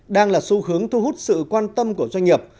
đang là xu hướng thu hút sự quan tâm của doanh nghiệp